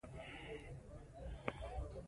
د هلکانو ښه پېزار نه مېلاوېږي